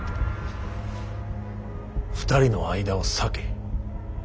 ２人の間を裂け。